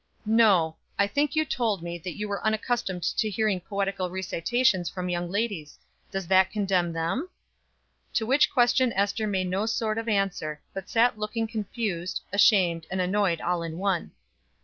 "No! I think you told me that you were unaccustomed to hearing poetical recitations from young ladies. Does that condemn them?" To which question Ester made no sort of answer, but sat looking confused, ashamed and annoyed all in one.